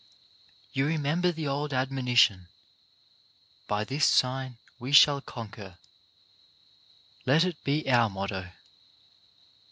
You remember the old admonition: "By this sign we shall conquer. " Let it be our motto.